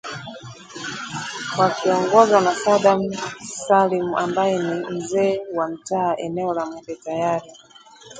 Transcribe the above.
Wakiongozwa na Saddam Salim ambaye ni mzee wa mtaa eneo la Mwembe Tayari